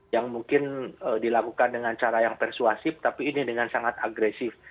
yang mungkin dilakukan dengan cara yang persuasif tapi ini dengan sangat agresif